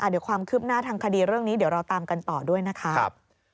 เดี๋ยวความคืบหน้าทางคดีเรื่องนี้เดี๋ยวเราตามกันต่อด้วยนะครับ